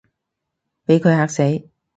畀佢嚇死